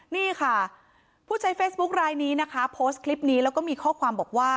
นี่ค่ะผู้ใช้เฟซบุ๊คลายนี้นะคะโพสต์คลิปนี้แล้วก็มีข้อความบอกว่า